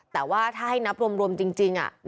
แต่ว่าถ้าให้นับรวมจริง